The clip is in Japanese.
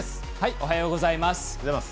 おはようございます。